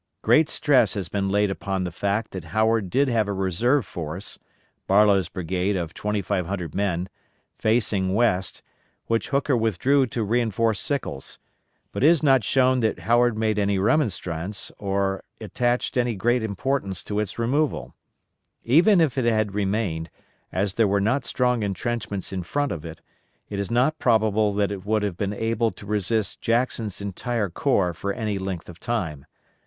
Great stress has been laid upon the fact that Howard did have a reserve force Barlow's brigade of 2,500 men facing west, which Hooker withdrew to reinforce Sickles; but is not shown that Howard made any remonstrance or attached any great importance to its removal. Even if it had remained, as there were not strong intrenchments in front of it, it is not probable that it would have been able to resist Jackson's entire corps for any length of time.